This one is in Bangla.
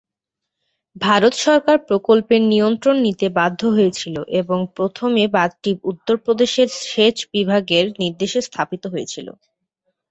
ভারত সরকার প্রকল্পের নিয়ন্ত্রণ নিতে বাধ্য হয়েছিল এবং প্রথমে বাঁধটি উত্তরপ্রদেশের সেচ বিভাগের নির্দেশে স্থাপিত হয়েছিল।